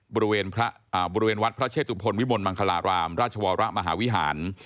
บริเวณพระอ่าบริเวณวัดพระเชศุพรวิมลมังคลารามราชวรมหาวิหาร